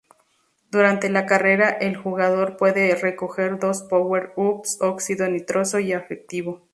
Durante la carrera, el jugador puede recoger dos power-ups: óxido nitroso y efectivo.